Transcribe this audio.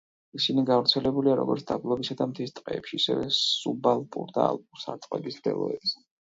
ისინი გავრცელებულია როგორც დაბლობისა და მთის ტყეებში, ისე სუბალპურ და ალპურ სარტყლების მდელოებზე.